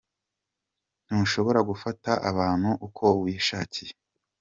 Ati :”Ntushobora gufata abantu uko wishakiye.